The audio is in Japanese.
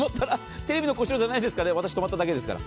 テレビの故障じゃないですからね、私が止まっただけですから。